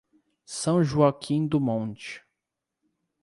São Joaquim do Monte